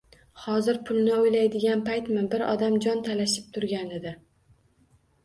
-Hozir pulni o’ylaydigan paytmi, bir odam jon talashib turganida?!